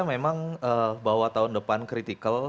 memang bahwa tahun depan kritikal